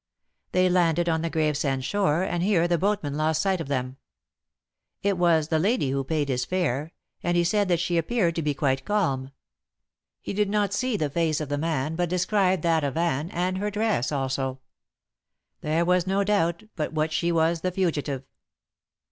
They landed on the Gravesend shore, and here the boatman lost sight of them. It was the lady who paid his fare, and he said that she appeared to be quite calm. He did not see the face of the man, but described that of Anne and her dress also. There was no doubt but what she was the fugitive.